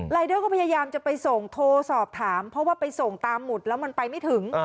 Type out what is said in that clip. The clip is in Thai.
เดอร์ก็พยายามจะไปส่งโทรสอบถามเพราะว่าไปส่งตามหุดแล้วมันไปไม่ถึง